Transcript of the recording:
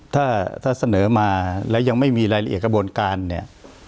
ถ้าถ้าเสนอมาแล้วยังไม่มีรายละเอียดกระบวนการเนี่ย